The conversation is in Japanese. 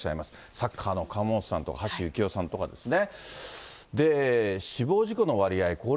サッカーの釜本さんとか、橋ゆきおさんとかですね。